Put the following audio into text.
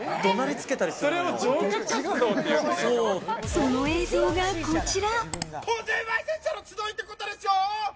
その映像がこちら！